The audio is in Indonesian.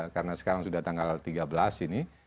karena sekarang sudah tanggal tiga belas ini